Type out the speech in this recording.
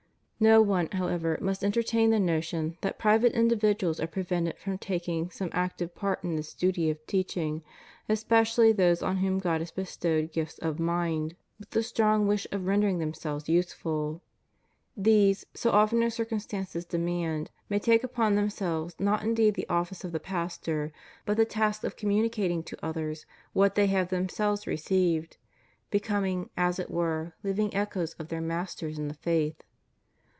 No one, however, must entertain the notion that private individuals are prevented from ■ taking some active part in this duty of teaching, especially those on whom God has bestowed gifts of mind with the » John xvi. 33. ' Rom. x 14, 17. » Acts xx. 28. ^ 190 CHIEF DUTIES OF CHRISTIANS AS CITIZENS. strong wish of rendering themselves useful. These, so often as circumstances demand, may take upon themselves, not indeed the office of the pastor, but the task of com municating to others what they have themselves received, becoming, as it were, hving echoes of their masters in the faith.